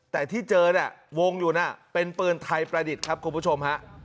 แต่ที่เจอเนี่ยวงอยู่น่ะเป็นปืนไทยประดิษฐ์ครับคุณผู้ชมฮะ